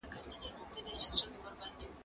قلم د زده کوونکي له خوا استعمالوم کيږي،